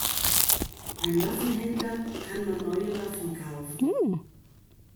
Beim Waffenhändler kann man neue Waffen kaufen.